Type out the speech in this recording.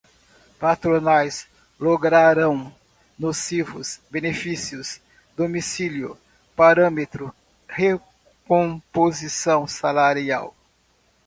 patronais, lograram, nocivos, benefícios, domicílio, parâmetro, recomposição salarial